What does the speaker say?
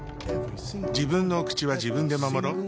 自分のお口は自分で守ろっ。